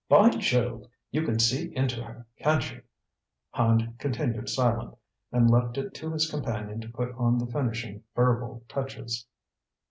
"By Jove, you can see into her, can't you!" Hand continued silent, and left it to his companion to put on the finishing verbal touches.